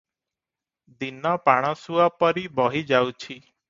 ଦିନ ପାଣସୁଅ ପରି ବହି ଯାଉଛି ।